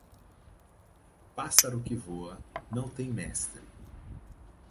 Pássaro que voa, não tem mestre.